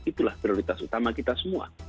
itulah prioritas utama kita semua